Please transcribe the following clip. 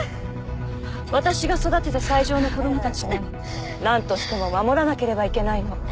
私が育てた最上の子供たちは何としても守らなければいけないの。